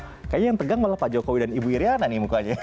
kayaknya yang tegang malah pak jokowi dan ibu iryana nih mukanya